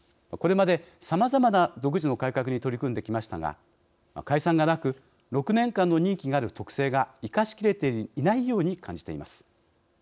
これまで、さまざまな独自の改革に取り組んできましたが解散がなく６年間の任期がある特性が生かし切れていないように感じています。